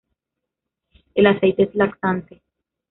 El aceite es laxante.